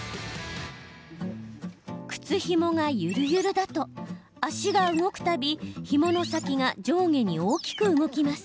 靴ひもが、ゆるゆるだと足が動くたびひもの先が上下に大きく動きます。